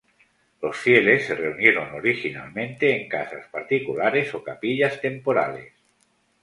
Los fieles se reunieron originalmente en casas particulares o capillas temporales.